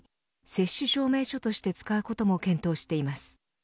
接種証明書として使うことも検討しています。